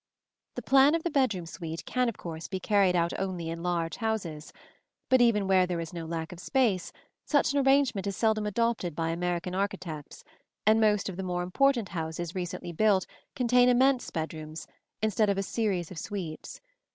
The plan of the bedroom suite can of course be carried out only in large houses; but even where there is no lack of space, such an arrangement is seldom adopted by American architects, and most of the more important houses recently built contain immense bedrooms, instead of a series of suites.